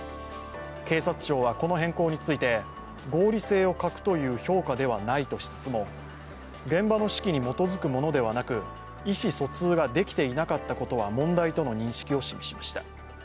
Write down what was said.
警察庁はこの変更について合理性を欠くという評価ではないとしつつも現場の指揮に基づくものではなく意思疎通ができていなかったことは問題との認識を示しました。